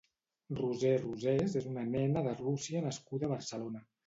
Roser Rosés és una nena de Rússia nascuda a Barcelona.